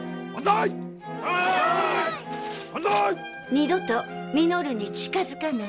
二度と稔に近づかないで。